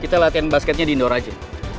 kita latihan basketnya di indoor aja